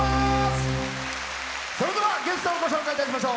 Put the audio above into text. それではゲストをご紹介いたしましょう。